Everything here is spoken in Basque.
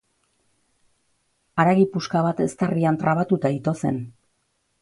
Haragi puska bat eztarrian trabatuta ito zen.